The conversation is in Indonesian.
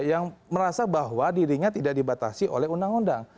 yang merasa bahwa dirinya tidak dibatasi oleh undang undang